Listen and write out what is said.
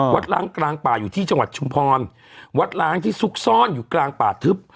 ล้างกลางป่าอยู่ที่จังหวัดชุมพรวัดล้างที่ซุกซ่อนอยู่กลางป่าทึบ